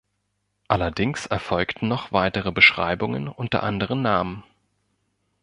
Allerdings erfolgten noch weitere Beschreibungen unter anderen Namen.